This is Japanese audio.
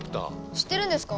知ってるんですか？